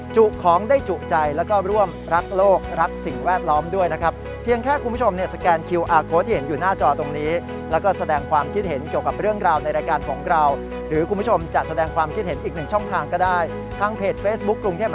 จุของได้จุใจแล้วก็ร่วมรักโลกรักสิ่งแวดล้อมด้วยนะครับ